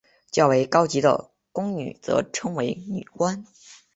较为高级的宫女则称为女官。